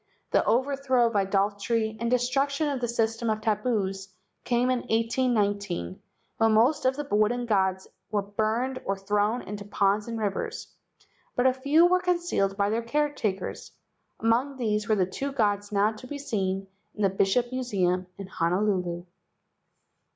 The overthrow of idolatry and the destruction of the system of tabus came in 1819, when most of the wooden gods were burned or thrown into ponds and rivers, but a few were concealed by their caretakers. Among these were the two gods now to be seen in the Bishop Museum* in Honolulu.